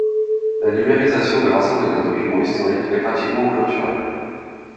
La numérisation de l’ensemble des documents historiques est pratiquement clôturée.